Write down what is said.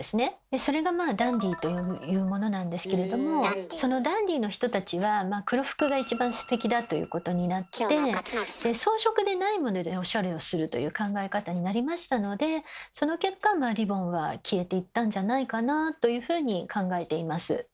それがまあ「ダンディ」というものなんですけれどもそのダンディの人たちは黒服が一番ステキだということになって装飾でないものでおしゃれをするという考え方になりましたのでその結果リボンは消えていったんじゃないかなというふうに考えています。